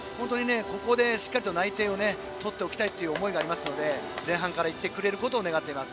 ここでしっかり内定をとっておきたいという思いがあるので前半からいってくれることを願っています。